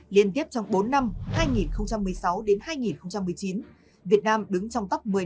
liên tiếp trong bốn năm hai nghìn một mươi sáu hai nghìn một mươi chín việt nam đứng trong tốc một mươi nước tăng trưởng cao nhất thế giới